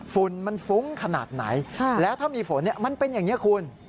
ฝุ่นมันฟุ้งขนาดไหนแล้วถ้ามีฝนมันเป็นอย่างนี้คุณ